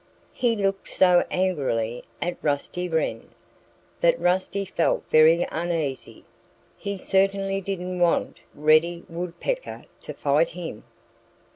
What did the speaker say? He looked so angrily at Rusty Wren that Rusty felt very uneasy. He certainly didn't want Reddy Woodpecker to fight him!